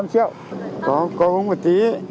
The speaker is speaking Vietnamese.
có có uống một tí